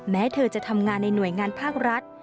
แม้เธอจะทำงานในหน่วยงานภาครัฐ